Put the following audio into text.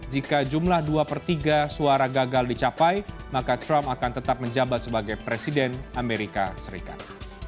jika jumlah dua per tiga suara gagal dicapai maka trump akan tetap menjabat sebagai presiden amerika serikat